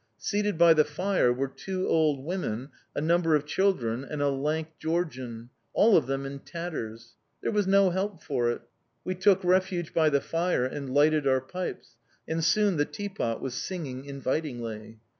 Seated by the fire were two old women, a number of children and a lank Georgian all of them in tatters. There was no help for it! We took refuge by the fire and lighted our pipes; and soon the teapot was singing invitingly.